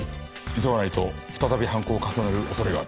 急がないと再び犯行を重ねる恐れがある。